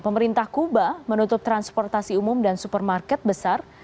pemerintah kuba menutup transportasi umum dan supermarket besar